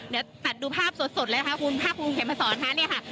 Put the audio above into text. เดี๋ยวตัดดูภาพสดเลยคุณภาคกรูมเข็มมาสอนค่ะ